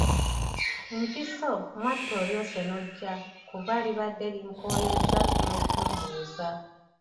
Mpiso, mwattu olyose n’ojja kuba libadde linkooyezza n’okumbuuza.